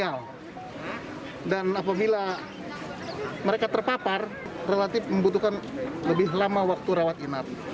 ada kalangan milenial dan apabila mereka terpapar relatif membutuhkan lebih lama waktu rawat inap